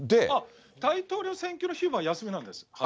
大統領選挙の日は休みなんですよ。